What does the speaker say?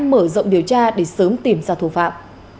mở rộng điều tra để sớm tìm ra thủ phạm